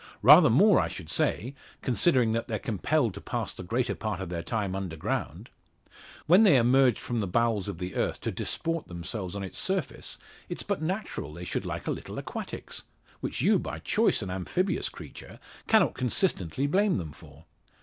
Rather more I should say, considering that they're compelled to pass the greater part of their time underground. When they emerge from the bowels of the earth to disport themselves on its surface, it's but natural they should like a little aquatics; which you, by choice, an amphibious creature, cannot consistently blame them for.